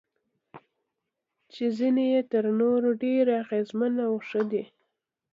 چې ځینې یې تر نورو ډېرې اغیزمنې او ښې دي.